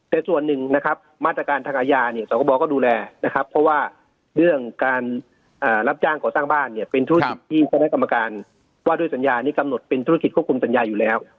แต่ส่วนหนึ่งนะครับมาตรการทางอาญาเนี่ยสคบก็ดูแลนะครับเพราะว่าเรื่องการรับจ้างก่อสร้างบ้านเนี่ยเป็นธุรกิจที่คณะกรรมการว่าด้วยสัญญานี้กำหนดเป็นธุรกิจควบคุมสัญญาอยู่แล้ว